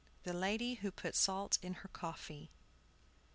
THE LADY WHO PUT SALT IN HER COFFEE.